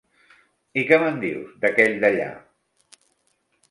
I què me'n dius d'aquell d'allà?